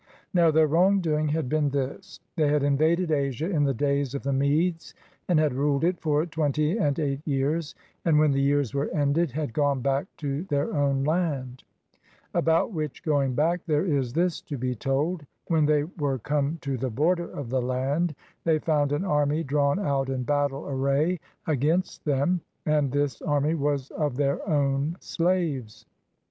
Now their wrong doing had been this. They had invaded Asia in the days of the Medes, and had ruled it for twenty and eight years, and when the years were ended had gone back to their own land. About which going back there is this to be told. When they were come to the border of the land, they found an army drawn out in battle array against them; and this army was of their own slaves.